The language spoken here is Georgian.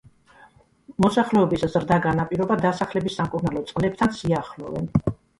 მოსახლეობის ზრდა განაპირობა დასახლების სამკურნალო წყლებთან სიახლოვემ.